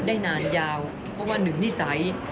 ได้นานยาวเพราะว่าหนึ่งนิสัย